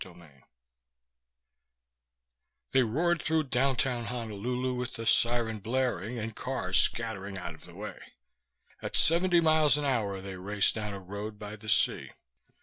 VI They roared through downtown Honolulu with the siren blaring and cars scattering out of the way. At seventy miles an hour they raced down a road by the sea.